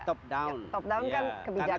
top down kan kebijakannya sudah ada